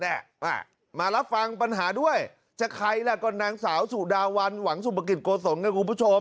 แหละมารับฟังปัญหาด้วยจะใครล่ะก็นางสาวสุดาวันหวังสุปกิจโกศลนะคุณผู้ชม